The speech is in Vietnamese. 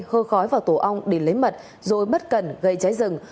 hơ khói vào tổ ong để lấy mật rồi bất cần gây cháy rừng